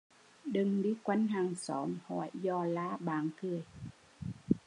Đừng đi quanh hàng xóm hỏi dò la bạn cười